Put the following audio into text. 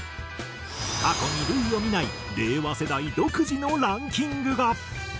過去に類を見ない令和世代独自のランキングが！